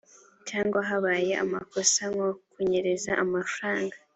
cyangwa habaye amakosa nko kunyereza amafaranga